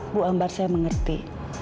bu ambar saya mengerti